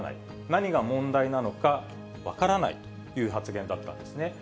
何が問題なのか分からないという発言だったんですね。